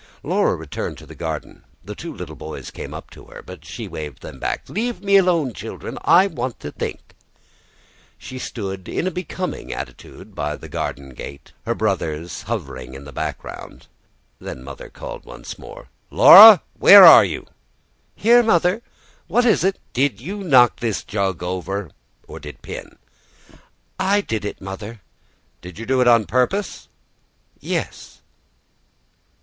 Laura returned to the garden. The two little boys came up to her; but she waved them back. "Let me alone, children. I want to think." She stood in a becoming attitude by the garden gate, her brothers hovering in the background. Then Mother called once more. "Laura, where are you?" "Here, mother. What is it?" "Did you knock this jug over or did Pin?" "I did, mother." "Did you do it on purpose?" "Yes."